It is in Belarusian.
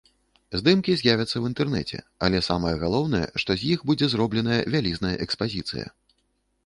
Здымкі з'явяцца ў інтэрнэце, але самае галоўнае, што з іх будзе зробленая вялізная экспазіцыя.